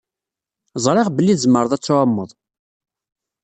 Ẓriɣ belli tzemreḍ ad tɛummeḍ.